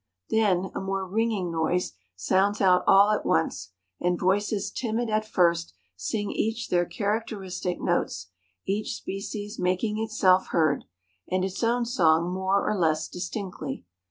Then a more ringing noise sounds out all at once, and voices timid at first siug each their characteristic notes, each species making itself heard, and its own song more or less distinctly.